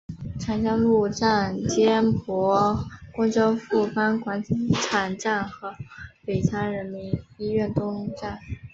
长江路站接驳公交富邦广场站和北仑人民医院东站。